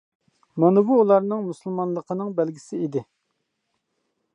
مانا بۇ ئۇلارنىڭ مۇسۇلمانلىقىنىڭ بەلگىسى ئىدى.